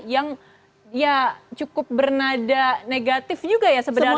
yang ya cukup bernada negatif juga ya sebenarnya